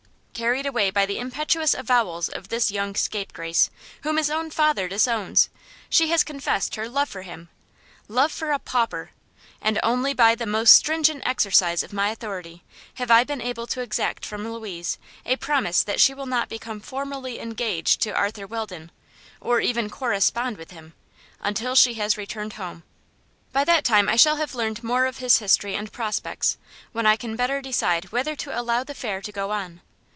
Carried away by the impetuous avowals of this young scapegrace, whom his own father disowns, she has confessed her love for him love for a pauper! and only by the most stringent exercise of my authority have I been able to exact from Louise a promise that she will not become formally engaged to Arthur Weldon, or even correspond with him, until she has returned home. By that time I shall have learned more of his history and prospects, when I can better decide whether to allow the affair to go on.